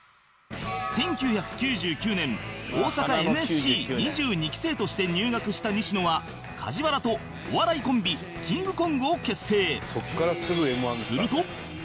１９９９年大阪 ＮＳＣ２２ 期生として入学した西野は梶原とお笑いコンビキングコングを結成